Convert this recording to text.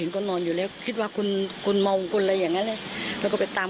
ก็เนี่ยแง่เขา